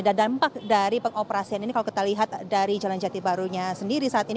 dan dampak dari pengoperasian ini kalau kita lihat dari jalan jati barunya sendiri saat ini